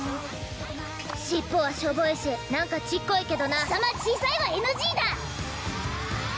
尻尾はしょぼいし何かちっこいけどな貴様小さいはＮＧだ！